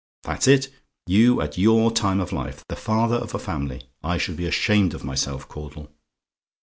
That's it. You, at your time of life the father of a family! I should be ashamed of myself, Caudle.